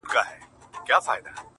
• هرچا ته ځکهیاره بس چپه نیسم لاسونه,